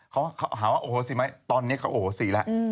เขาหาว่าโอ้โหสิไหมตอนนี้เขาโอโหสิแล้ว